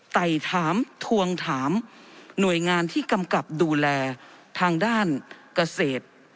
ไต่ถามทวงถามหน่วยงานที่กำกับดูแลทางด้านเกษตร